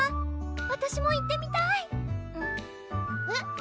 わたしも行ってみたいうんえっ？